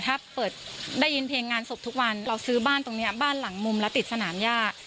ถ้าเปิดได้ยินเพลงงานศพทุกวันเราซื้อบ้านตรงนี้บ้านหลังมุมแล้วติดสนามย่า